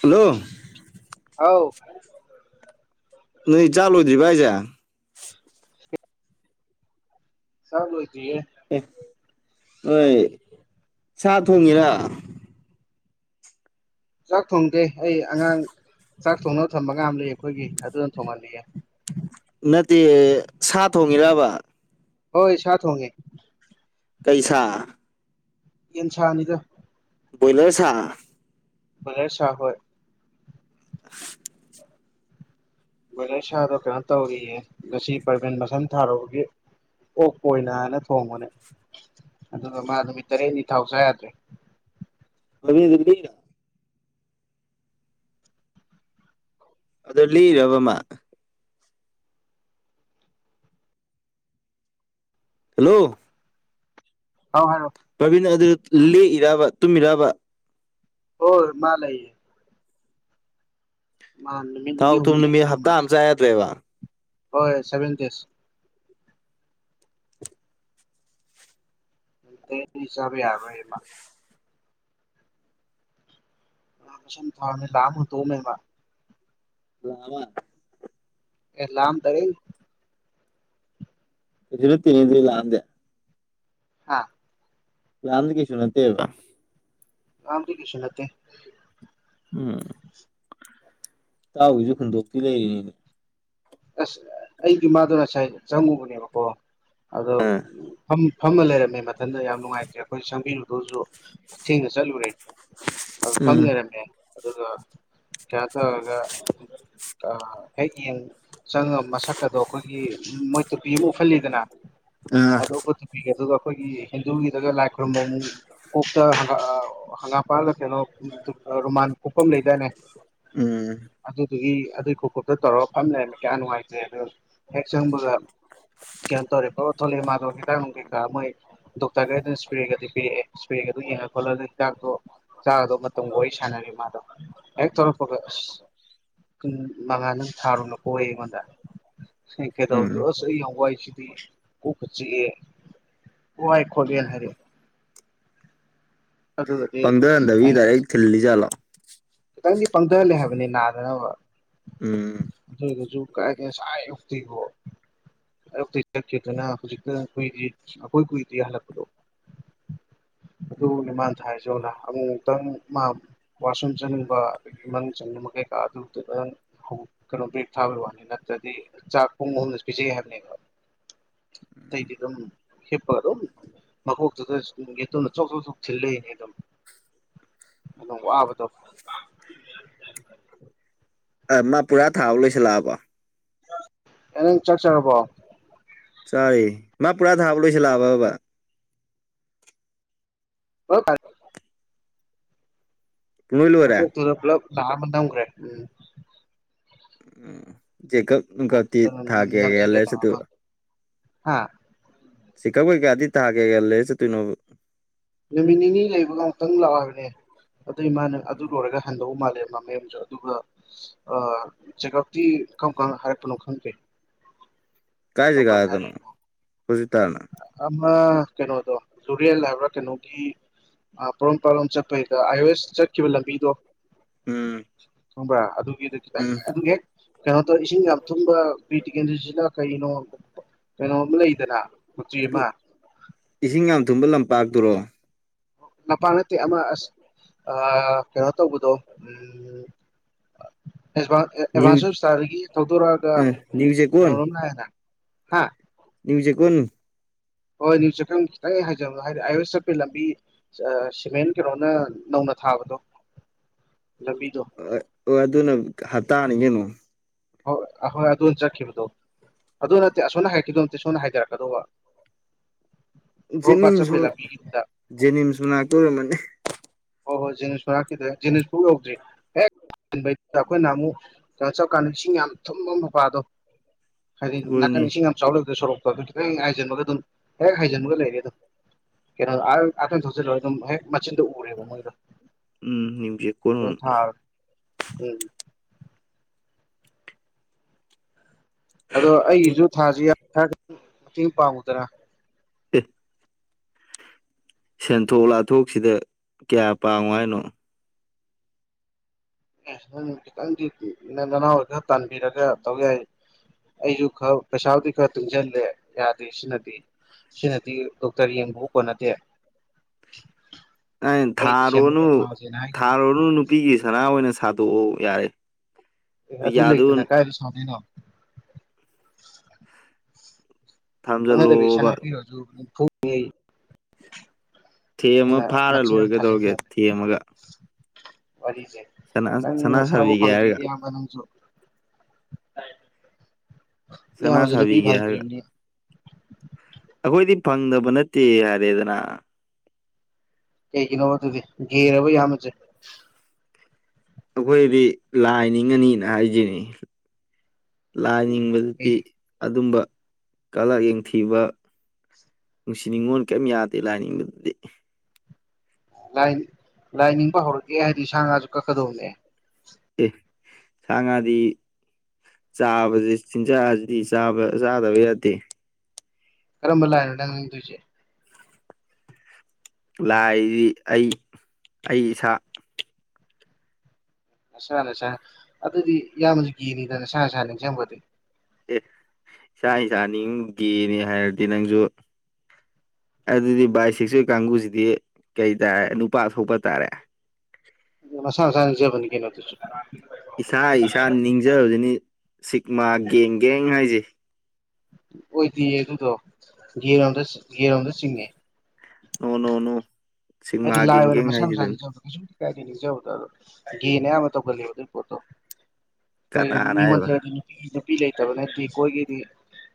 hello ꯍꯥꯎ ꯅꯣꯏ ꯆꯥ ꯂꯣꯏꯗꯔꯤꯕ ꯍꯥꯏꯁꯦ ꯆꯥꯡ ꯂꫭꯏꯗꯔꯤꯌꯦ ꯑꯦ ꯅꫭꯏ ꯁꯥ ꯊꯣꯡꯉꯤꯔ ꯆꯥꯛ ꯊꯣꯡꯗꯦ ꯑꯩ ꯑꯉꯥꯡ ꯆꯥꯛ ꯊꯣꯡꯅꯕ ꯊꯝꯕ ꯉꯥꯝ ꯂꯩ ꯑꯩꯈꯣꯏꯒꯤ ꯑꯗꯨꯅ ꯊꯣꯡꯍꯜꯂꯤꯑꯦ ꯅꯠꯇꯦ ꯁꯥ ꯊꯣꯡꯉꯤꯔꯕ ꯍꯣꯏ ꯁꯥ ꯊꫭꯡꯉꯤ ꯀꯩ ꯁꯥ ꯌꯦꯟꯁꯥꯅꯤꯗ ꯕꯣꯏꯂꯔ ꯁꯥ ꯕꯣꯏꯂꯔ ꯁꯥ ꯍꫭꯏ ꯕꯣꯏꯂꯔ ꯁꯥꯗꯣ ꯀꯩꯅꯣ ꯇꯧꯔꯤꯌꯦ ꯉꯁꯤ ꯄ꯭ꯔꯥꯕꯤꯟ ꯃꯁꯝ ꯊꯥꯔꯨꯕꯒꯤ ꯑꯣꯛꯄ ꯑꯣꯏꯅꯅ ꯊꯣꯡꯕꯅꯦ ꯑꯗꯨꯒ ꯃꯥ ꯅꯨꯃꯤꯠ ꯇꯔꯦꯠꯅꯤ ꯊꯥꯎ ꯆꯥ ꯌꯥꯗ꯭ꯔꯦ [unintelligible] ꯑꯗꯥ ꯂꯦꯡꯏꯔꯕ ꯃꯥ ꯍꯜꯂꯣ ꯍꯥꯎ ꯍꯥꯏꯔꯛꯑꯦ ꯄ꯭ꯔꯥꯕꯤꯟ ꯑꯗꯨꯗ ꯂꯦꯛꯏꯔꯕ ꯇꯨꯝꯃꯤꯔꯕ ꯍ ꯃꯥ ꯂꯩꯏꯌꯦꯦ ꯃꯥ ꯊꯥꯎ ꯅꯤꯅꯤ ꯊꯨꯝ ꯍꯨꯝꯅꯤ ꯅꯨꯃꯤꯠ ꯂꯩꯒꯗꯧ ꯍꯞꯇꯥ ꯃꯥꯜꯂꯦ ꯑꯃ ꯆꯥ ꯌꯥꯗ꯭ꯔꯣꯏꯦꯕ ꯍꯣꯏ ꯁꯦꯚꯦꯟ ꯗꯦꯁ ꯎ ꯇ ꯍ ꯆꯔ ꯌꯥꯔꯣꯏꯃ ꯊꯃꯤ ꯂꯝꯗꯣ ꯃꯃ ꯂꯃ ꯑꯦ ꯂꯝ ꯇꯔꯦ ꯂ ꯇꯤꯟꯅꯤꯗꯤ ꯂꯍꯗꯦ ꯑꯥ ꯥꯟꯗꯒꯤꯁꯨ ꯅ ꯇꯦꯕ ꯔꯝꯗꯤ ꯀꯁꯟꯂꯠꯇꯦ ꯎꯝ ꯇꯥꯎꯏꯁꯨꯦ ꯍꯨꯟꯗꯣꯛꯇꯤ ꯂꯩꯔꯤꯅꯤꯅꯦ ꯑꯁ ꯑꯩꯒꯤꯃꯗꯣ ꯉꯁꯥꯏ ꯆꯪꯉꯨꯕꯅꯦꯕꯀꯣ ꯑꯗꯣ ꯑꯥ ꯐꯝ ꯐꯝꯃ ꯂꯩꯔꯝꯃꯦ ꯃꯊꯟꯗ ꯌꯥꯝ ꯅꯨꯡꯉꯥꯏꯇ꯭ꯔꯦ ꯑꯩꯈꯣꯏ ꯆꯪꯕꯤꯔꯨꯗꯁꯨ ꯈꯨꯊꯦꯡꯗ ꯆꯠꯂꯨꯔꯦ ꯑꯗꯨ ꯎꯝ ꯐꯝꯅꯔꯝꯃꯦ ꯑꯗꯨꯒꯒ ꯈꯇꯑꯒ ꯑ ꯍꯦꯒ ꯌꯦ ꯆꯪꯉ ꯃꯁꯛ ꯑꯗꯣ ꯑꯩꯈꯣꯏꯒꯤ ꯃꯣꯏ ꯇꯨꯄꯤ ꯑꯃ ꯎꯍꯜꯂꯤꯗꯅ ꯑꯥ ꯑꯗꯨ ꯄꯦ ꯑꯗꯨꯒ ꯑꯩꯈꯣꯏꯒꯤ ꯍꯤꯟꯗꯨꯒꯤꯗꯒ ꯂꯥꯏ ꯈꯨꯣꯏꯔꯨꯝꯕ ꯑꯃꯨꯛ ꯎ ꯍ ꯍꯒꯥꯄꯥ ꯀꯩꯅꯣ ꯔꯣꯃꯥꯟ ꯀꯣꯛꯐꯝ ꯂꯩꯗꯅꯦ ꯎꯝ ꯑꯗꯨꯗꯨꯒꯤ ꯑꯗꯨꯏ ꯈꯨꯀꯨꯞꯇ ꯇꯧꯔꯒ ꯐꯝ ꯂꯩꯅꯦ ꯀꯌꯥ ꯅꯨꯡꯉꯥꯏꯖꯦ ꯑꯗꯨꯣ ꯍꯦꯛ ꯆꯪꯕꯒ ꯀꯍꯟꯇꯔꯦ ꯄꯣꯊ ꯃꯥ ꯍ ꯇꯅꯅꯨꯡꯀ ꯃꯣꯏ ꯗꯣꯛꯇꯔꯒꯩ ꯑꯗꯨꯣ ꯏꯁꯄꯔꯦꯒꯗꯤ ꯄꯤꯛꯦ ꯏꯁꯄꯔꯦꯒꯗꯨ ꯌꯦꯡꯉ ꯈꯣꯠꯂꯒ ꯍꯤꯗꯥꯛꯇꯣ ꯆꯥꯗꯧ ꯃꯇꯝ ꯋꯥꯔꯤ ꯁꯥꯟꯅꯔꯤ ꯃꯥꯗꯣ ꯍꯦꯛ ꯇꯧꯔꯛꯄꯒ ꯑꯁ ꯃꯉꯥ ꯅꯪ ꯊꯥꯔꯨꯅꯣ ꯍꯣꯏ ꯑꯩꯉꯣꯟꯗ ꯍ ꯀꯩꯗꯧꯔꯤꯒꯦ ꯎꯝ ꯑꯁ ꯑꯩ ꯌꯥꯎ ꯋꯥ ꯍꯥꯏꯁꯤꯗꯤ ꯀ ꯆꯤꯛꯑꯦ ꯋꯥꯏ ꯈꯣꯠꯂꯦꯅ ꯍꯥꯏꯔꯛꯦ ꯑꯗꯨ ꯑꯗ ꯈꯜꯂꯤꯖꯂ ꯈꯤꯇꯪꯗꯤ ꯄꯪꯊꯍꯜꯂꯦ ꯍꯥꯏꯕꯅꯤ ꯅꯥꯗꯅꯕ ꯎꯝ ꯑꯗꯨꯔꯁꯨ ꯑꯞꯛꯇ ꯆꯠꯀꯦꯗꯅ ꯍꯧꯖꯤꯛꯇ ꯑꯩꯈꯣꯏꯗꯤ ꯑꯩꯈꯣꯏ ꯀꯨꯏꯗ ꯍꯜꯂꯛꯄꯗꯣ ꯑꯗꯨꯅꯦꯃꯥꯟ ꯊ ꯍꯥꯏꯁꯤꯦ ꯑꯣꯂꯥ ꯑꯃꯨ ꯑꯃꯨꯛꯇꯪ ꯃꯥ ꯋꯥꯁꯔꯨꯝ ꯆꯅꯤꯡ ꯑꯗꯨꯗꯒꯤ ꯃꯅꯨꯡ ꯆꯟꯕ ꯀꯩꯀꯥ ꯑꯗꯨꯗꯨꯗ ꯀꯩꯅꯣ ꯭ꯔꯦꯛ ꯊꯥꯕꯒꯤ ꯋꯥꯅꯤ ꯅꯠꯇ꯭ꯔꯗꯤ ꯆꯥꯛ ꯄꯨꯡ ꯑꯍꯨꯝꯗꯁꯨ ꯄꯤꯖꯩ ꯍꯥꯏꯕꯅꯤ ꯇꯩꯗꯤꯒꯝ ꯍꯦꯄꯔꯣ ꯃꯀꯣꯛꯇꯨꯗ ꯑꯗꯨꯅ ꯆꯣꯛ ꯆꯣꯛ ꯆꯣꯛ ꯊꯤꯂꯛꯏꯅꯦ ꯑꯗꯨꯝ ꯑꯗꯨꯝ ꯋꯥꯕꯗꯣ ꯃꯥ ꯄꯨꯔꯥ ꯊꯥꯕ ꯂꯣꯏꯁꯤꯜꯂꯛꯑꯕꯣ ꯑꯦ ꯅꯪ ꯆꯥꯛ ꯆꯉꯔꯕꯣ ꯆꯔꯤꯦ ꯃꯥ ꯄꯨꯔꯥ ꯊꯥꯕ ꯂꯣꯏꯁꯤ ꯂꯥꯑꯕꯕꯕꯥ ꯑꯣ ꯄꯨꯡꯂꯣꯏ ꯂꯣꯏꯔꯦ ꯃꯀꯣꯛꯇꯨꯗ ꯄꯨꯂꯞ ꯂꯥꯛꯑ ꯑꯃ ꯅꯝꯈ꯭ꯔꯦ ꯎꯝ ꯎꯝ ꯆꯦꯛꯀꯞ ꯅꯨꯡꯀꯞꯇꯤ ꯃꯀꯣꯛꯇꯨꯗ ꯊꯥ ꯀꯦꯒꯦ ꯅꯝꯁꯤꯜꯂꯦ ꯂꯥꯛ ꯂꯩꯔꯁꯨꯠꯇ ꯑꯃ ꯍꯥ ꯁꯤꯀꯛ ꯀꯩ ꯀꯥꯗꯤ ꯊꯥꯒꯦꯒꯜꯂꯦ ꯆꯠꯇꯣꯏꯅꯣ ꯅꯨꯃꯤꯠ ꯅꯤꯅꯤ ꯂꯩꯕꯒ ꯑꯃꯨꯛꯇꯪ ꯂꯥꯛꯑꯣꯕꯅꯦ ꯑꯗꯨ ꯏꯃꯅ ꯑꯗꯨ ꯂꯣꯏꯔꯒ ꯍꯟꯗꯎ ꯃꯥꯜꯂꯦ ꯃ ꯃꯦꯝꯁꯨ ꯑꯗꯨꯒ ꯖꯦꯒꯞꯇꯤ ꯀꯔꯝ ꯀꯔꯝ ꯍꯥꯏꯔꯛꯄꯅꯣ ꯈꯪꯗꯦ ꯀꯥꯏ ꯀꯔꯝ ꯀꯥꯟ ꯖꯒꯥꯗꯅꯣ ꯍꯥꯏꯔꯛꯏꯅꯣ ꯍꯧꯖꯤꯛꯇꯥꯟ ꯑꯃ ꯀꯩꯅꯣꯗꯣ ꯖꯨꯔꯦꯜ ꯍꯥꯏꯕ꯭ꯔꯥ ꯀꯩꯅꯣꯒꯤ ꯑꯥ ꯄꯣꯔꯣꯝ ꯄꯥꯔꯠ ꯂꯣꯝ ꯆꯠꯄꯩꯗ ꯑꯥꯏ ꯑꯣ ꯑꯦꯁ ꯆꯠꯈꯤꯕ ꯂꯝꯕꯤꯗꯣ ꯎꯝ ꯈꯪꯕ꯭ꯔꯥ ꯑꯗꯨꯒꯤꯗ ꯈꯤꯇꯪ ꯎꯝ ꯑꯗꯨ ꯍꯦꯛ ꯀꯩꯅꯣ ꯇꯧ ꯏꯁꯤꯡ ꯌꯥꯝ ꯊꯨꯝꯕ ꯕꯤꯔ ꯇꯤꯀꯦꯟꯗꯔꯥꯖꯤꯅ ꯀꯩꯅꯣ ꯀꯩꯅꯣ ꯑꯃ ꯂꯩꯗꯅ ꯃꯨꯔꯇꯤ ꯑꯃ ꯏꯁꯤꯡ ꯌꯥꯝ ꯊꯨꯝꯕ ꯂꯝꯄꯥꯛꯇꯨꯔꯣ ꯂꯝꯄꯥꯛ ꯅꯠꯇꯦ ꯑꯃ ꯑꯁ ꯑꯥ ꯀꯩꯅꯣ ꯇꯧꯕꯗꯣ ꯎꯝ [unintelligible] ꯅ꯭ꯌꯨ ꯑꯦꯗꯚꯥꯟꯁ ꯍꯣꯁꯄꯤꯇꯥꯜꯗꯒꯤ ꯊꯧꯗꯣꯔꯛꯑꯒ ꯑꯥ ꯅ꯭ꯌꯨ ꯀꯩꯅꯣꯔꯣꯝ ꯂꯥꯛꯑꯦꯗ ꯍꯥ ꯅꯥꯌꯨ ꯆꯦꯛꯀꯣꯟ ꯍꯣꯏ ꯅꯤꯌꯨ ꯆꯦꯛꯀꯣꯟ ꯈꯤꯇꯪ ꯍꯥꯏꯖꯟꯕꯗꯣ ꯍꯥꯏꯗꯤ ꯑꯥꯏ ꯑꯣꯁ ꯑꯦꯁ ꯆꯠꯄꯩ ꯂꯝꯕꯤ ꯁꯤꯃꯦꯟ ꯀꯩꯅꯣꯅ ꯅꯧꯅ ꯊꯥꯕꯗꯣ ꯂꯝꯕꯤꯗꯣ ꯑꯣ ꯑꯗꯨꯅ ꯍꯞꯇꯥꯅꯤ ꯀꯩꯅꯣ ꯍꯣꯏ ꯑꯗꯣꯟ ꯆꯠꯈꯤꯕꯗꯣ ꯑꯗꯨ ꯅꯠꯇꯦ ꯑꯁꯣꯝꯅ ꯍꯥꯏꯈꯤꯗꯣ ꯅꯠꯇꯦ ꯁꯣꯝꯅ ꯍꯥꯏꯗꯔꯛꯀꯗꯧꯕ [inaudible] ꯖꯦꯅꯤꯝꯁꯁꯨ ꯆꯠꯄꯩ ꯂꯝꯕꯤꯒꯤꯗꯨꯗ ꯖꯦꯅꯤꯝꯁ ꯃꯅꯥꯛꯇ ꯑꯣꯏꯔꯝꯃꯅꯤ ꯍꯣꯏ ꯍꯣꯏ ꯖꯤꯅꯤꯝꯁ ꯃꯅꯥꯛꯀꯤꯗꯣ ꯖꯤꯅꯤꯝꯁꯐꯥꯎ ꯌꯧꯗ꯭ꯔꯤ ꯍꯦꯛ ꯑꯩꯈꯣꯏꯅ ꯅꯍꯥꯟꯃꯨꯛ ꯀꯩꯅꯣ ꯆꯞꯀꯥꯟꯗ ꯏꯁꯤꯡ ꯌꯥꯝ ꯊꯨꯝꯕ ꯃꯄꯥꯗꯣ ꯍꯥꯏꯗꯤ ꯅꯥꯀꯟ ꯍꯣꯏꯅꯦ ꯏꯁꯤꯡ ꯌꯥꯝ ꯆꯥꯎ ꯂꯩꯕ ꯁꯣꯔꯣꯛꯇ ꯑꯗꯨ ꯈꯤꯇꯪ ꯍꯥꯏꯖꯟꯕꯒ ꯑꯗꯨꯝ ꯍꯦꯛ ꯍꯥꯏꯖꯤꯟꯕꯒ ꯂꯩꯔꯦ ꯑꯗꯨꯝ ꯀꯩꯅꯣ ꯑꯥ ꯊꯧꯆꯤꯜꯂꯔꯣꯏ ꯑꯗꯨꯝ ꯍꯦꯛ ꯃꯆꯤꯟꯗꯣ ꯎꯔꯦꯕ ꯃꯣꯏꯗꯣ ꯎꯝ ꯅꯤꯌꯨꯆꯦꯛꯀꯣꯟ ꯑꯗꯨꯝ ꯊꯥ ꯎꯝ ꯑꯗꯣ ꯑꯩꯒꯤꯁꯨ ꯊꯥꯖꯤ ꯈꯔ ꯃꯇꯦꯡ ꯄꯥꯡꯉꯨꯗꯅ ꯑꯦ ꯁꯦꯟꯊꯣꯛ ꯂꯥꯊꯣꯛꯁꯤꯗ ꯀꯌꯥ ꯄꯥꯡꯉꯣ ꯍꯥꯏꯅꯣ ꯑꯦ ꯈꯤꯇꯪꯗꯤ ꯅꯪ ꯅꯅꯥꯎ ꯑꯣꯏꯅ ꯈꯔ ꯇꯥꯟꯕꯤꯔꯒ ꯇꯧ ꯌꯥꯏ ꯑꯩꯖꯨ ꯈꯔ ꯄꯩꯁꯥꯕꯨꯗꯤ ꯈꯔ ꯇꯨꯡꯁꯤꯜꯂꯦ ꯌꯥꯗꯦ ꯁꯤꯅꯗꯤ ꯁꯤꯅꯗꯤ ꯗꯣꯛꯇꯔ ꯌꯦꯡꯕꯕꯨ ꯀꯣꯟꯅꯗꯦ ꯑꯩꯅ ꯑꯩ ꯊꯥꯔꯣꯅꯨ ꯗꯤꯁꯦꯝꯕꯔꯗ ꯊꯥꯁꯦꯅ ꯍꯥꯏꯈꯤꯕꯅꯦ ꯊꯥꯔꯣꯅꯨ ꯅꯨꯄꯤꯒꯤ ꯁꯅꯥ ꯑꯣꯏꯅ ꯁꯥꯗꯣꯛꯎ ꯌꯥꯔꯦ ꯑꯦ ꯑꯗꯨ ꯂꯩꯇꯅ ꯌꯥꯗꯨ ꯀꯥꯏꯗ ꯁꯥꯗꯣꯏꯅꯣ ꯈꯪꯅꯗꯕꯤ ꯁꯟꯅꯥ ꯊꯝꯖꯜꯂꯣꯕ ꯄꯤꯔꯣꯖꯨ [unintelligible] ꯊꯦꯝꯃ ꯐꯥꯔ ꯂꯣꯏꯔꯦ ꯀꯩꯗꯧꯔꯒꯦ ꯊꯦꯝꯃꯒ ꯋꯥꯔꯤꯖꯦ ꯁꯅꯥ ꯅꯪ ꯁꯅꯥ ꯅꯁꯥꯕꯨ ꯁꯥꯕꯤꯒꯦ ꯍꯥꯏꯔꯒ ꯐꯪꯗꯔꯤꯕ ꯅꯪꯖꯨ ꯁꯅꯥ ꯏꯌꯥꯝꯕꯁꯨ ꯅꯨꯄꯤ ꯁꯕꯤꯒꯦ ꯍꯥꯏꯔꯒ ꯐꯪꯗ꯭ꯔꯤꯕꯅꯤ ꯑꯩꯈꯣꯏꯗꯤ ꯐꯪꯗꯕ ꯅꯠꯇꯦ ꯍꯥꯏꯔꯦꯗꯅ ꯀꯩꯒꯤꯅꯣꯕ ꯑꯗꯨꯗꯤ ꯒꯦꯔꯕ ꯏꯌꯥꯝꯕꯁꯦ ꯑꯩꯈꯣꯏꯗꯤ ꯂꯥꯏ ꯅꯤꯡꯉꯅꯤꯅ ꯍꯥꯏꯖꯤꯅꯤ ꯂꯥꯏ ꯀꯩ ꯅꯤꯡꯕꯁꯤꯗꯤ ꯑꯗꯨꯝꯕ ꯀꯂꯥꯂꯛ ꯌꯦꯡꯊꯤꯕ ꯅꯨꯡꯁꯤ ꯅꯨꯡꯉꯣꯜ ꯀꯔꯤꯝ ꯌꯥꯗꯦ ꯂꯥꯏꯅꯤꯡꯕꯗꯗꯤ ꯂꯥꯏ ꯂꯥꯏ ꯅꯤꯡꯕ ꯍꯧꯔꯛꯒꯦ ꯍꯥꯏꯗꯤ ꯁꯥ ꯉꯥꯁꯨ ꯀꯛꯀꯗꯧꯕꯅꯦ ꯑꯦ ꯁꯥ ꯉꯥꯗꯤ ꯆꯥꯕꯗꯤ ꯆꯤꯟꯖꯥꯛ ꯑꯁꯤꯗꯤ ꯆꯥꯕ ꯆꯥꯗꯕ ꯌꯥꯗꯦ ꯀꯔꯝꯕ ꯂꯥꯛꯅꯣ ꯅꯪ ꯅꯤꯡꯗꯣꯏꯁꯦ ꯂꯥꯏꯗꯤ ꯑꯩ ꯑꯩ ꯏꯁꯥ ꯅꯁꯥ ꯅꯁꯥ ꯑꯗꯨꯗꯤ ꯏꯌꯥꯝꯕꯁꯨ ꯒꯦꯅꯤꯗ ꯅꯁꯥꯅ ꯅꯁꯥ ꯅꯤꯡꯖꯕꯗꯤ ꯑꯦ ꯏꯁꯥ ꯏꯁꯥ ꯅꯤꯡ ꯒꯦꯅꯦ ꯍꯥꯏꯔꯗꯤ ꯅꯪꯖꯨ ꯑꯗꯨꯗꯤ ꯕꯥꯏ ꯁꯦꯛꯁꯨꯑꯦꯜ ꯀꯥꯡꯕꯨꯁꯤꯗꯤ ꯀꯩ ꯇꯔꯦ ꯅꯨꯄꯥ ꯊꯣꯛꯄ ꯇꯥꯔꯦ ꯃꯁꯥꯅ ꯃꯁꯥ ꯅꯤꯡꯖꯥꯕꯅꯤ ꯀꯩꯅꯣ ꯑꯗꯨꯁꯨ ꯏꯁꯥ ꯏꯁꯥ ꯅꯤꯡꯖꯕꯗꯨꯅꯤ ꯁꯤꯛꯃꯥ ꯒꯦꯡ ꯒꯦꯡ ꯍꯥꯏꯁꯦ ꯑꯣꯏꯗꯦꯌꯦ ꯑꯗꯨꯗꯣ ꯒꯦꯔꯣꯝꯗ ꯒꯦꯔꯣꯝꯗ ꯆꯤꯡꯉꯦ ꯅꯣ ꯅꯣ ꯅꯣ ꯁꯤꯛꯃꯥ ꯍꯥꯏꯗꯤ ꯂꯥꯏ ꯒꯦꯡ ꯑꯣꯏꯅ ꯒꯦꯡ ꯃꯁꯥ ꯃꯁꯥ ꯍꯥꯏꯁꯤꯗꯅꯤ ꯅꯤꯡꯖꯕꯗꯣ ꯀꯩꯁꯨꯕꯨꯗꯤ ꯀꯥꯏꯗꯦ ꯅꯤꯡꯖꯕꯗꯣ ꯑꯗꯣ ꯒꯦꯅ ꯑꯌꯥꯝꯕ ꯇꯧꯒꯜꯂꯦꯕ ꯑꯗꯨꯒꯤ ꯄꯣꯠꯇꯣ ꯑꯩꯈꯣꯏ ꯀꯅꯥꯅ ꯍꯥꯏꯕ ꯃꯤꯉꯣꯟꯗꯒꯗꯤ ꯅꯨꯄꯤ ꯅꯨꯄꯤ ꯂꯩꯇꯕ ꯅꯠꯇꯦ ꯀꯣꯏꯒꯦꯗꯤ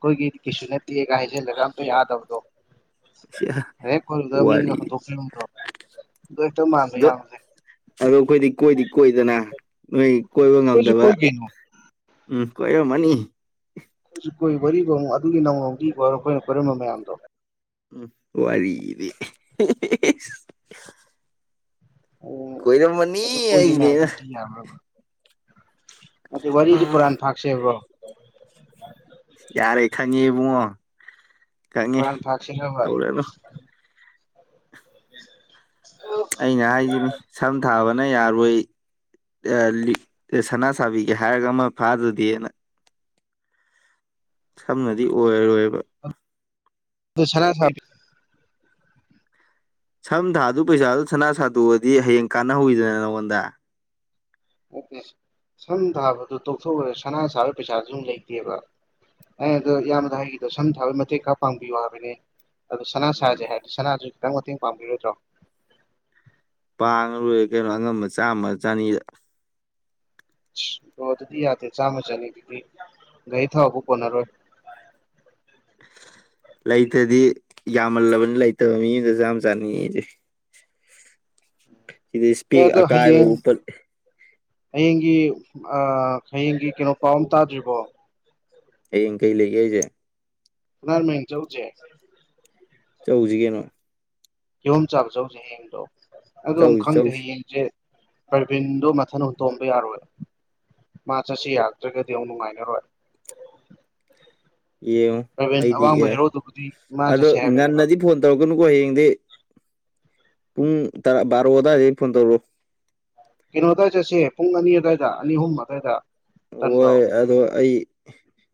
ꯀꯣꯏꯒꯦꯗꯤ ꯀꯩꯁꯨ ꯅꯠꯇꯒꯥꯏ ꯍꯥꯏꯖꯜꯂꯒ ꯑꯃꯇ ꯌꯥꯗꯕꯗꯣ ꯍꯦꯛ ꯀꯣꯏꯔꯨꯕꯗ ꯃꯤꯅꯒ ꯋꯥꯔꯤ ꯍꯨꯟꯗꯣꯛꯄꯤꯔꯝꯕꯗꯣ ꯑꯗꯨ ꯍꯦꯛꯇ ꯃꯥꯟꯕ ꯑꯗꯣ ꯏꯌꯥꯝꯕꯁꯦ ꯑꯗꯣ ꯑꯩꯈꯣꯏꯗꯤ ꯀꯣꯏꯗꯤ ꯀꯣꯏꯗꯅ ꯅꯣꯏ ꯀꯣꯏꯕ ꯀꯣꯏꯁꯨ ꯉꯝꯗꯕ ꯀꯣꯏ ꯀꯩꯅꯣ ꯎꯝ ꯀꯣꯏꯔꯝꯃꯅꯤ ꯑꯩꯈꯣꯏꯁꯨ ꯀꯣꯏ ꯋꯥꯔꯤꯕꯨ ꯑꯃꯨꯛ ꯑꯗꯨꯒꯤ ꯅꯧꯅ ꯑꯃꯨꯛ ꯂꯤꯈꯣ ꯍꯥꯏꯔꯣ ꯑꯩꯈꯣꯏꯅ ꯀꯣꯏꯔꯝꯕ ꯃꯌꯥꯝꯗꯣ ꯎꯝ ꯋꯥꯔꯤꯗꯤ [unintelligible] ꯎꯝ ꯀꯣꯏꯔꯝꯃꯅꯤ ꯑꯗꯨ ꯀꯣꯏꯒꯤ ꯍꯥꯏꯁꯤꯅꯤ ꯃꯌꯥꯝꯗꯨ ꯑꯩꯅ ꯂꯤ ꯅꯠꯇꯦ ꯋꯥꯔꯤꯁꯦ ꯄꯨꯔꯥꯟ ꯐꯥꯛꯁꯦꯕ꯭ꯔꯣ ꯌꯥꯔꯦ ꯈꯪꯉꯦ ꯏꯕꯨꯡꯉꯣ ꯈꯪꯉꯦ ꯄꯨꯔꯥꯟ ꯐꯥꯛꯁꯦꯕ ꯇꯧꯔꯅꯨ [inaudible] [unintelligible] ꯑꯩꯅ ꯍꯥꯏꯁꯤꯅꯤ ꯁꯝ ꯊꯥꯕ ꯅ ꯌꯥꯔꯣꯏ ꯑ ꯂꯤꯛ ꯁꯅꯥ ꯁꯥꯕꯤꯒꯦ ꯍꯥꯏꯔꯒ ꯑꯃ ꯐꯥꯗ꯭ꯔꯗꯤꯅ ꯁꯝꯅꯗꯤ ꯑꯣꯏꯔꯣꯏꯕ ꯑꯗꯨ ꯁꯅꯥ ꯁꯥ ꯁꯝ ꯊꯥꯗꯨ ꯄꯩꯁꯥꯗꯨꯅ ꯁꯅꯥ ꯁꯥꯗꯣꯛꯑꯗꯤ ꯍꯌꯦꯡ ꯀꯥꯟꯅꯍꯧꯋꯤꯗꯅ ꯅꯪꯉꯣꯟꯗ ꯑꯣꯀꯦ ꯁꯝ ꯊꯥꯕꯗꯨ ꯇꯣꯛꯊꯣꯛꯎꯅꯦ ꯁꯅꯥ ꯁꯥꯅꯕ ꯄꯩꯁꯥꯁꯨ ꯂꯩꯇꯦꯕ ꯑ ꯑꯗꯣ ꯏꯌꯥꯝꯕꯗ ꯍꯥꯏꯈꯤꯗꯣ ꯁꯝ ꯊꯥꯕꯩ ꯃꯇꯦꯛ ꯈꯔ ꯄꯥꯡꯕꯤꯌꯨ ꯍꯥꯏꯕꯅꯦ ꯑꯗꯣ ꯁꯅꯥ ꯁꯥꯁꯦ ꯍꯥꯏꯔꯗꯤ ꯁꯅꯥꯁꯨ ꯈꯤꯇꯪ ꯃꯇꯦꯡ ꯄꯥꯡꯕꯤꯔꯣꯏꯗ꯭ꯔꯣ ꯄꯥꯡꯉꯂꯣꯏꯔꯦ ꯀꯩꯅꯣ ꯑꯉꯝꯕ ꯆꯥꯝꯃ ꯆꯅꯤꯗ ꯕ꯭ꯔꯣ ꯑꯗꯨꯗꯤ ꯌꯥꯗꯦ ꯆꯥꯝꯃ ꯆꯅꯤꯗꯨꯗꯤ ꯒꯥꯔꯤ ꯊꯥꯎꯕꯥꯎ ꯀꯣꯟꯅꯔꯣꯏ ꯂꯩꯇ꯭ꯔꯗꯤ ꯌꯥꯝꯃꯜꯂꯕꯅꯤ ꯂꯩꯇꯕ ꯃꯤ ꯑꯃꯗ ꯆꯥꯝ ꯆꯥꯅꯤꯑꯁꯦ ꯏꯁꯄꯦꯛ ꯑꯦꯗꯣ ꯑꯀꯥꯏꯕ ꯍꯌꯦꯡ ꯎꯞꯄꯠ ꯍꯌꯦꯡꯒꯤ ꯑ ꯍꯌꯦꯡꯒꯤ ꯀꯩꯅꯣ ꯄꯥꯎ ꯑꯃ ꯇꯥꯗ꯭ꯔꯤꯕꯣ ꯍꯌꯦꯡ ꯀꯩ ꯂꯩꯒꯦ ꯍꯥꯏꯁꯦ ꯐꯨꯅꯥꯜ ꯃꯔꯤꯡ ꯆꯠꯂꯨꯁꯦ ꯆꯧꯁꯤ ꯀꯩꯅꯣ ꯀꯤꯍꯣꯝ ꯆꯥꯕ ꯆꯧꯁꯦ ꯍꯌꯦꯡꯗꯣ ꯑꯗꯣ ꯑꯃꯨꯛ ꯆꯧꯁꯤ ꯈꯪꯗꯦ ꯆꯧꯁꯤ ꯍꯌꯦꯡꯁꯦ ꯄꯔꯕꯤꯟꯗꯣ ꯃꯊꯟ ꯍꯨꯟꯇꯣꯛꯑꯝꯕ ꯌꯥꯔꯣꯏ ꯃꯥ ꯆꯠꯁꯤ ꯌꯥꯔꯛꯇ꯭ꯔꯒꯗꯤ ꯑꯃꯨꯛ ꯅꯨꯡꯉꯥꯏꯅꯔꯣꯏ ꯌꯦꯉꯣ ꯔꯕꯤꯟ ꯑꯩꯗꯤ ꯑꯋꯥꯡꯕ ꯌꯥꯏ ꯍꯦꯔꯣꯗꯨꯕꯨꯗꯤ ꯃꯥ ꯑꯗꯣ ꯆꯠꯁꯦ ꯍꯥꯏꯕꯅꯦꯕ ꯉꯟꯅꯗꯤ ꯐꯣꯟ ꯇꯧꯔꯛꯀꯅꯨꯀꯣ ꯍꯌꯦꯡꯗꯤ ꯄꯨꯡ ꯇꯔꯥ ꯕꯥꯔꯣ ꯑꯗꯨꯗꯥꯋꯥꯏꯗ ꯐꯣꯟ ꯇꯧꯔꯛꯑꯣ ꯀꯩꯅꯣ ꯑꯗꯨꯋꯥꯏ ꯆꯠꯁꯦ ꯄꯨꯡ ꯑꯅꯤ ꯑꯗꯨꯋꯥꯏꯗ ꯑꯅꯤ ꯑꯍꯨꯝ ꯑꯗꯨꯋꯥꯏꯗ ꯍꯣꯏ ꯇꯟꯕ꯭ꯔꯣ ꯑꯗꯣ ꯑꯩ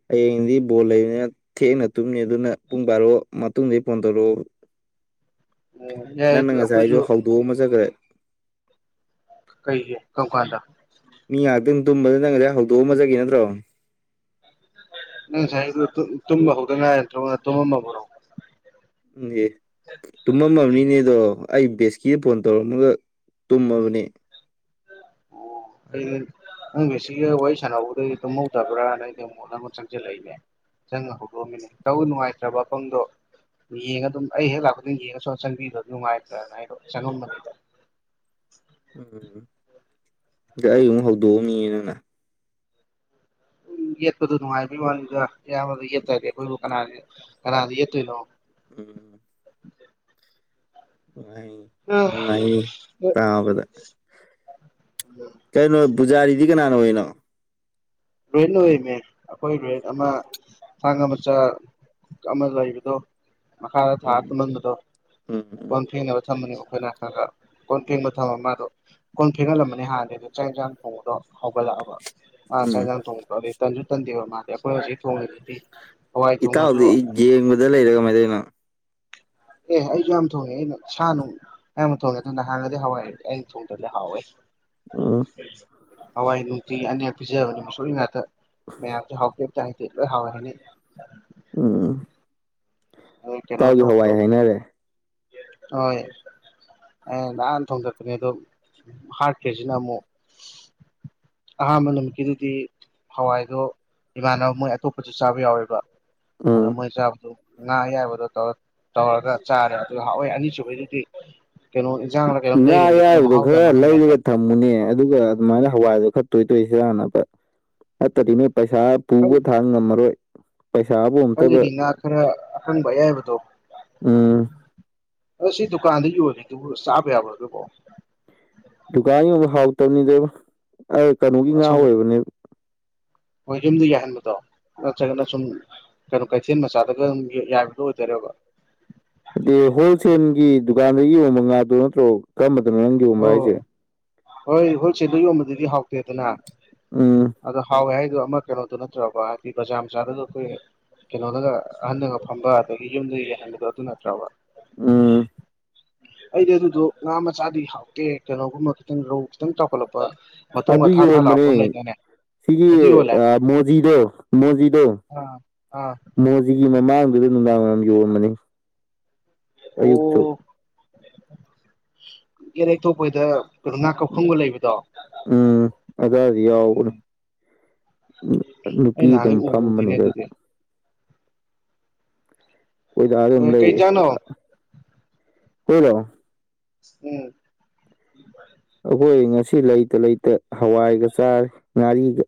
ꯍꯌꯦꯡꯗꯤ ꯕꯣꯜ ꯂꯩꯕꯅꯤꯅ ꯊꯦꯅ ꯇꯨꯝꯅꯤ ꯑꯗꯨꯅ ꯄꯨꯡ ꯕꯥꯔꯣ ꯃꯇꯨꯡꯗꯩ ꯐꯣꯟ ꯇꯧꯔꯛꯑꯣ ꯎꯝ ꯌꯥꯏ ꯅꯪꯅ ꯑꯗꯨ ꯉꯁꯥꯏ ꯑꯩꯈꯣꯏꯁꯨ ꯑꯩꯁꯨ ꯍꯧꯗꯣꯛꯑꯝꯃ ꯆꯠꯈ꯭ꯔꯦ ꯀꯩꯒꯤ ꯀꯝꯀꯥꯟꯗ ꯃꯤ ꯉꯥꯛꯇꯪ ꯇꯨꯝꯕꯗꯨꯗ ꯅꯪ ꯉꯁꯥꯏ ꯍꯧꯗꯣꯛꯑꯝꯃ ꯆꯠꯈꯤ ꯅꯠꯇ꯭ꯔꯣ ꯅꯪ ꯉꯁꯥꯏꯒꯤꯗꯨ ꯇꯨꯝꯕ ꯍꯧꯗ ꯉꯥꯏ ꯅꯠꯇ꯭ꯔꯣ ꯇꯨꯝꯃꯝꯃꯕꯔꯣ ꯈꯪꯗꯦ ꯇꯨꯝꯃꯝꯃꯕꯅꯤꯅꯦ ꯑꯗꯣ ꯑꯩ ꯕꯦꯁꯀꯤꯗ ꯐꯣꯟ ꯇꯧꯔꯝꯃꯒ ꯇꯨꯝꯃꯕꯅꯦ ꯑꯣ ꯑꯩ ꯅꯪ ꯕꯦꯁꯀꯤꯒ ꯋꯥꯔꯤ ꯁꯥꯟꯅꯍꯧꯕꯗ ꯑꯩꯗꯤ ꯇꯨꯝꯍꯧꯗꯕ꯭ꯔꯥꯅ ꯑꯩꯗꯤ ꯑꯃꯨꯛ [unintelligible] ꯆꯪꯁꯤꯜꯂꯛꯏꯅꯦ ꯆꯪꯅ ꯍꯧꯗꯣꯛꯑꯝꯃꯤꯅꯤ ꯇꯧꯕꯨ ꯅꯨꯡꯉꯥꯏꯇ꯭ꯔꯕ ꯑꯄꯪꯗꯣ ꯌꯦꯡꯉ ꯑꯗꯨꯝ ꯑꯩ ꯍꯦꯛ ꯂꯥꯛꯄ ꯈꯨꯗꯤꯡ ꯌꯦꯡꯉ ꯁꯨꯑ ꯆꯪꯕꯤꯗꯕꯗꯣ ꯅꯨꯡꯉꯥꯏꯔꯛꯇꯗꯅ ꯑꯩꯗꯣ ꯆꯪꯉꯝꯕꯅꯤꯗ ꯎꯝ ꯗ ꯑꯩ ꯑꯃꯨꯛ ꯍꯧꯗꯣꯛꯑꯝꯃꯤꯅꯦ ꯅꯪꯅ ꯁꯨꯝ ꯌꯦꯠꯄꯗꯨ ꯅꯨꯡꯉꯥꯏꯕꯒꯤ ꯋꯥꯅꯤꯗ ꯏꯌꯥꯝꯕꯗ ꯌꯦꯠꯇꯗꯤ ꯑꯩꯈꯣꯏꯕꯨ ꯀꯅꯥ ꯀꯅꯥꯗ ꯌꯦꯠꯇꯣꯏꯅꯣ ꯎꯝ ꯍ ꯑꯥ ꯂꯩ ꯇꯕꯗ ꯀꯩꯅꯣ ꯄꯨꯖꯥꯔꯤꯗꯤ ꯀꯅꯥꯅꯣ ꯑꯣꯏꯅꯣ ꯔꯦꯟꯦꯟ ꯂꯃꯦ ꯑꯩꯈꯣꯏ ꯔꯦꯟ ꯑꯃ ꯊꯥꯡ ꯃꯆꯥ ꯑꯃ ꯂꯩꯕꯗꯣ ꯃꯈꯥ ꯑ ꯍꯥ ꯎꯝ ꯅꯗꯣ ꯎꯝ ꯀꯣꯟ ꯐꯦꯡꯅꯕ ꯊꯝꯝꯕꯅꯤ ꯑꯩꯈꯣꯏꯅ ꯈꯔ ꯈꯔ ꯀꯣꯟ ꯐꯦꯡꯕ ꯊꯝꯃ ꯃꯥꯗꯣ ꯀꯣꯟ ꯊꯦꯡꯒꯠꯂꯝꯕꯅꯦ ꯍꯥꯟꯅꯗꯤ ꯑꯗꯨ ꯆꯥꯛ ꯌꯦꯟ ꯆꯥꯡ ꯊꯣꯡꯕꯗꯣ ꯍꯧꯒꯠꯂꯛꯑꯕ ꯎꯝ ꯎꯝ ꯍꯛꯆꯖꯥꯡ ꯊꯣꯡ ꯑꯗꯩ ꯇꯟꯖꯨ ꯇꯟꯗꯦꯕ ꯃꯥꯜꯜꯂꯤꯦ ꯑꯩꯈꯣꯏ ꯍꯧꯖꯤꯛ ꯊꯣꯡꯉꯤꯁꯤꯗꯤ ꯏꯇꯥꯎꯗꯤ ꯌꯦꯡꯕꯗ ꯂꯩꯔ ꯀ ꯃꯥꯏꯗꯩꯅꯣ ꯑꯦ ꯑꯩꯁꯨ ꯌꯥꯝ ꯊ ꯊꯣꯛꯉꯩꯅ ꯁꯅꯅꯨꯡ ꯍ ꯊꯣꯡꯦ ꯍꯗꯗꯤ ꯍꯋꯥꯏ ꯊꯣꯡ ꯇꯔ ꯍꯋꯥꯦ ꯎꯝ ꯍꯋꯥꯏꯗꯨꯨꯇꯤ ꯑꯅꯦꯛ ꯄꯤꯖꯕꯅꯤ ꯃꯁꯣꯛꯒꯤ ꯉꯥꯛꯇ ꯃ ꯍꯥꯎꯞ ꯍꯥꯏꯂ ꯍꯔ ꯎꯝ ꯏꯇꯥꯎꯒꯤ ꯍꯋꯥꯏ ꯍꯥꯏꯅꯔꯦ ꯍ ꯑꯩꯅ ꯅꯍꯥꯟ ꯊꯣꯡꯗꯛꯄꯅꯦ ꯑꯗꯣ ꯍꯥꯠꯀ꯭ꯔꯔꯤꯁꯤꯅ ꯑꯃꯨꯛ ꯑꯅꯝ ꯀꯗꯗꯤ ꯍꯋꯥꯏꯗꯣ ꯏꯃꯥꯟꯅꯕ ꯃꯣꯏ ꯑꯇꯣꯞꯄꯁꯨ ꯆꯥꯕ ꯌꯥꯎꯋꯦꯕ ꯑꯗꯣ ꯎꯝ ꯃꯣꯏ ꯆꯥꯕꯗꯨ ꯉꯥ ꯑꯌꯥꯏꯕꯗꯣ ꯇꯧꯔꯒ ꯆꯥꯔꯦ ꯑꯗꯨꯒ ꯍꯋꯥꯣꯏ ꯑꯅꯤꯁꯨꯕꯩꯗꯨꯗꯤ ꯀꯩꯅꯣ ꯏꯟꯖꯥꯡꯅ ꯀꯩꯅꯣꯝ ꯂꯩꯔꯨꯕꯅꯤ ꯑꯗꯨꯅ ꯃꯍꯥꯎꯗ ꯃꯥꯡꯍꯟꯕ ꯍꯥꯏꯇꯥꯔꯦ ꯆꯪꯃꯨꯅꯦ ꯑꯗꯨꯒ ꯑꯗꯨꯃꯥꯏꯅ ꯍꯋꯥꯏꯗꯣ ꯈꯠꯇꯣꯏ ꯇꯣꯏꯁꯤꯔꯥ ꯐꯠꯇꯗꯤ ꯅꯣꯏ ꯄꯩꯁꯥ ꯄꯨꯕ ꯊꯥꯡ ꯉꯝꯃꯔꯣꯏ ꯄꯩꯁꯥꯕꯨ ꯑꯝꯇꯕ ꯈꯜꯜꯂꯤꯅꯤ ꯉꯥ ꯈꯔ ꯑꯀꯪꯕ ꯑꯌꯥꯏꯕꯗꯣ ꯎꯝ ꯑ ꯁꯤ ꯗꯨꯀꯥꯟꯗ ꯌꯣꯔꯤꯗꯨꯕꯨ ꯆꯥꯕ ꯌꯥꯕ꯭ꯔꯗꯕꯣ ꯗꯨꯀꯥꯟ ꯌꯣꯟꯕ ꯍꯥꯎꯔꯛꯇꯕꯅꯤꯗꯕ ꯑꯩ ꯀꯩꯅꯣꯒꯤ ꯉꯥ ꯑꯁꯧꯕ ꯑꯣꯏꯕꯅꯦꯕ ꯍꯣꯏ ꯌꯨꯝꯗ ꯌꯥꯏꯍꯟꯕꯗꯣ ꯅꯠꯇ꯭ꯔꯒꯅ ꯁꯨꯝ ꯀꯩꯅꯣ ꯀꯩꯊꯦꯜ ꯃꯆꯥꯗꯒ ꯑꯗꯨꯝ ꯌꯥꯏꯕꯗꯣ ꯑꯣꯏꯗꯔꯦꯕ ꯑꯗꯤ ꯍꯣꯜꯁꯦꯜꯒꯤ ꯗꯨꯀꯥꯟꯗꯒꯤ ꯌꯣꯟꯕ ꯉꯥꯗꯣ ꯅꯠꯇ꯭ꯔꯣ ꯀꯔꯝꯕꯗꯅꯣ ꯅꯪꯒꯤ ꯌꯣꯟꯕ ꯍꯥꯏꯁꯦ ꯑꯣ ꯍꯣꯏ ꯍꯣꯜꯁꯦꯜꯗ ꯌꯣꯟꯕꯗꯗꯤ ꯍꯥꯎꯇꯦ ꯑꯗꯨꯅ ꯑꯥ ꯑꯗꯣ ꯍꯥꯎꯋꯦ ꯍꯥꯏꯗꯣ ꯑꯃ ꯀꯩꯅꯣꯗꯨꯣ ꯅꯠꯇ꯭ꯔꯕ ꯍꯥꯏꯗꯤ ꯕꯖꯥꯔ ꯃꯆꯥꯗꯨꯗ ꯑꯩꯈꯣꯏ ꯀꯩꯅꯣꯅꯒ ꯑꯍꯟꯅꯗꯒ ꯐꯝꯕ ꯑꯗꯒꯤ ꯌꯨꯝꯗ ꯌꯍꯟꯕꯗꯣ ꯑꯗꯨ ꯅꯠꯇ꯭ꯔꯕ ꯎꯝ ꯑꯩꯗꯤ ꯑꯗꯨꯗꯣ ꯉꯥ ꯃꯆꯥꯗꯤ ꯍꯥꯎꯇꯦ ꯀꯩꯅꯣꯒꯨꯝꯕ ꯈꯤꯇꯪ ꯔꯧ ꯈꯤꯇꯪ ꯆꯥꯎꯈꯠꯂꯛꯄ ꯃꯇꯨꯡ ꯑꯗꯨ ꯑꯊꯥ ꯊꯥ ꯂꯥꯛꯄ ꯑꯃ ꯌꯣꯟꯕꯅꯦ ꯂꯩꯅꯅꯦ ꯁꯤꯒꯤ ꯃꯣꯖꯤꯗꯣ ꯃꯣꯖꯤꯗꯣꯖꯤ ꯑꯥ ꯑꯥ ꯁꯤꯒꯤ ꯃꯃꯥꯡꯗꯨꯗ ꯅꯨꯡꯗꯥꯡ ꯋꯥꯏꯔꯝ ꯌꯣꯟꯝꯕꯅꯤ ꯑꯌꯨꯛꯁꯨ ꯏꯔꯦꯛ ꯊꯣꯛꯄꯗ ꯀꯩꯅꯣ ꯉꯥ ꯀꯧꯈꯪꯕ ꯂꯩꯕꯗꯣ ꯎꯝ ꯑ ꯑꯗꯨ ꯌꯥꯎꯅ ꯎꯝ ꯅꯨꯄꯤ ꯑꯩ ꯑꯗꯨꯝ ꯅꯍꯥꯟꯒꯩ ꯎꯕꯨ ꯎꯗꯦꯅꯦ ꯐꯝꯕꯅꯤꯗ ꯑꯗꯨꯗꯤ ꯀꯣꯏꯗ ꯑꯗꯨꯝ ꯎꯝ ꯀꯩ ꯂꯩꯔꯤ ꯏꯟꯖꯥꯡꯅꯣ ꯀꯣꯏꯔꯣ ꯎꯝ ꯑꯩꯈꯣꯏ ꯉꯁꯤ ꯂꯩꯇ ꯂꯩꯇ ꯍꯋꯥꯏꯒ ꯆꯥꯔꯦ ꯉꯥꯔꯤꯒ